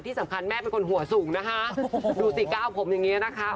ที่สำคัญแม่เป็นคนหัวสูงนะคะดูสิก้าวผมอย่างนี้นะคะ